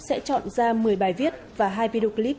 sẽ chọn ra một mươi bài viết và hai video clip